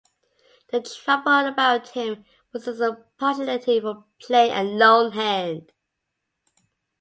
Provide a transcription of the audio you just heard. The trouble about him was his partiality for playing a lone hand.